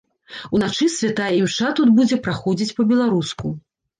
Уначы святая імша тут будзе праходзіць па-беларуску.